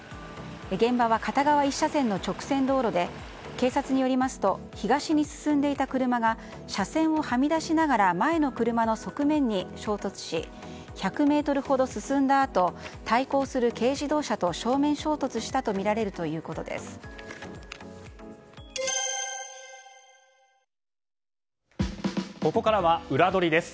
現場は片側１車線の直線道路で警察によりますと東に進んでいた車が車線をはみ出しながら前の車の側面に衝突し、１００ｍほど進んだあと対向する軽自動車と正面衝突したとここからはウラどりです。